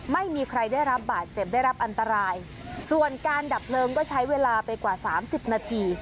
ไม่มีใครได้รับบาดเจ็บได้รับอันตรายส่วนการดับเพลิงก็ใช้เวลาไปกว่าสามสิบนาที